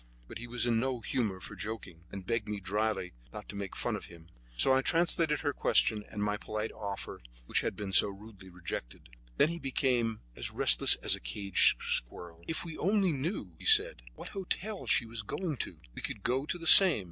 But he was in no humor for joking, and begged me dryly not to make fun of him; so I translated her question and my polite offer, which had been so rudely rejected. Then he really became as restless as a caged squirrel. "If we only knew," he said, "what hotel she was going to, we would go to the same.